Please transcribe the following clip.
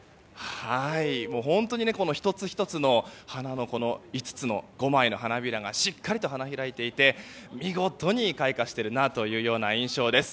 本当に１つ１つの５枚の花びらがしっかりと花開いていて見事に開花しているという印象です。